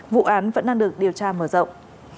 vụ án vẫn đang được điều tra mở rộng